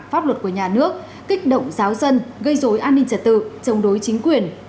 pháp luật của nhà nước kích động giáo dân gây dối an ninh trật tự chống đối chính quyền